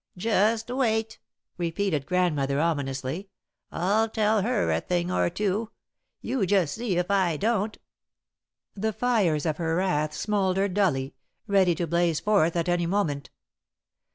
"Just wait," repeated Grandmother, ominously. "I'll tell her a thing or two. You just see if I don't!" The fires of her wrath smouldered dully, ready to blaze forth at any moment.